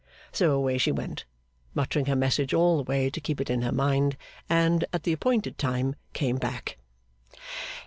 So away she went, muttering her message all the way to keep it in her mind, and, at the appointed time, came back.